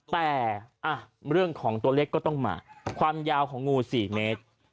แต่เรื่องของตัวเล็กก็ต้องมาความยาวของงู๔เมตร